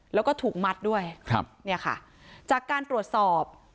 แล้วก็ถูกมัดด้วยครับเนี่ยค่ะจากการตรวจสอบ